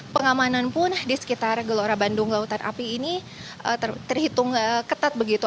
pengamanan pun di sekitar gelora bandung lautan api ini terhitung ketat begitu